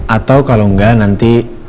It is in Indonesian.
atau kalau nggak nanti